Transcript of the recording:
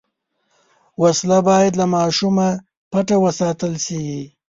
وسله باید له ماشومه پټه وساتل شي